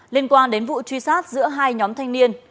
liên quan đến vụ truy sát giữa hai nhóm thanh niên